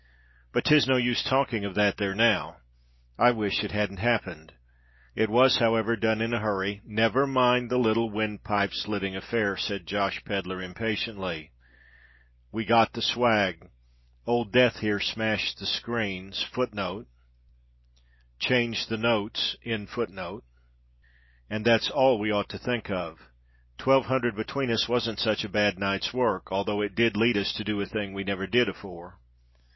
But 'tis no use talking of that there now. I wish it hadn't happened. It was however done in a hurry——" "Never mind the little windpipe slitting affair," said Josh Pedler impatiently. "We got the swag—Old Death here smashed the screens—and that's all we ought to think of. Twelve hundred between us wasn't such a bad night's work—although it did lead us to do a thing we never did afore."